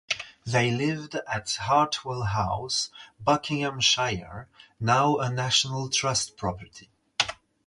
They lived at Hartwell House, Buckinghamshire, now a National Trust property.